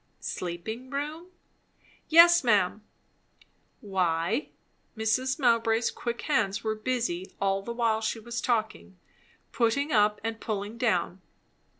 "Sleeping room?" "Yes, ma'am." "Why?" Mrs. Mowbray's quick hands were busy all the while she was talking; putting up and pulling down.